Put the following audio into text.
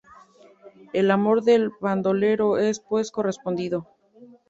El amor del bandolero es pues correspondido.